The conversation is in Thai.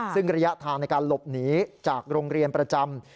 ซึ่งระยะทางในการหลบหนีจากโรงเรียนประจำ